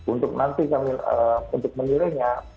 untuk nanti kami untuk menilainya